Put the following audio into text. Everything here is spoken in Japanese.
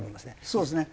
そうですね。